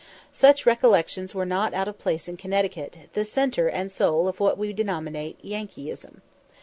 Such recollections were not out of place in Connecticut, the centre and soul of what we denominate Yankeeism.